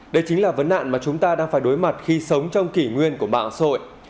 đây chính là vấn nạn mà chúng ta đang phải đối mặt khi sống trong kỷ nguyên của mạng sội